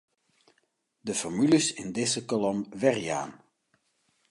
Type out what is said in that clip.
De formules yn dizze kolom werjaan.